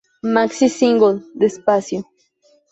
Maxi-single: ""Despacio"".